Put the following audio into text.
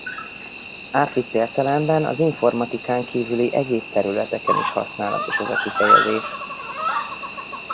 Átvitt értelemben az informatikán kívüli egyéb területeken is használatos ez a kifejezés.